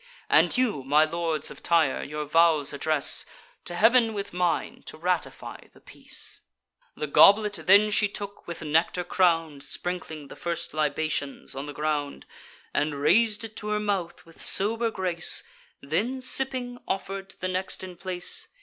And you, my lords of Tyre, your vows address To Heav'n with mine, to ratify the peace." The goblet then she took, with nectar crown'd (Sprinkling the first libations on the ground,) And rais'd it to her mouth with sober grace; Then, sipping, offer'd to the next in place.